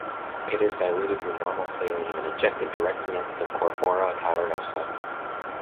It is diluted with normal saline and injected directly into the corpora cavernosa.